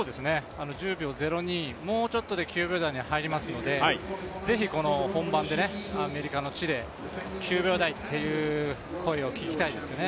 １０秒０２、もうちょっとで９秒台に入りますのでアメリカの地で、９秒台という声を聞きたいですね。